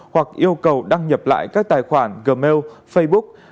hoặc yêu cầu đăng nhập lại các tài khoản gmail facebook